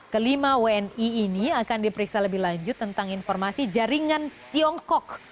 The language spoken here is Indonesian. kelima wni ini akan diperiksa lebih lanjut tentang informasi jaringan tiongkok